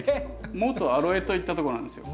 元アロエといったとこなんですよ。